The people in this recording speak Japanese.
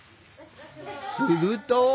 すると。